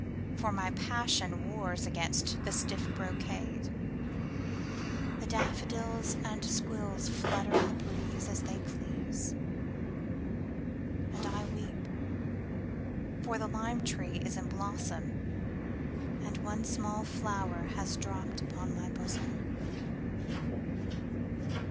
For my passionWars against the stiff brocade. The daffodils and squillsFlutter in the breezeAs they please. And I weep; For the lime tree is in blossomAnd one small flower has dropped upon my bosom.